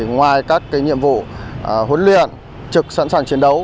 ngoài các nhiệm vụ huấn luyện trực sẵn sàng chiến đấu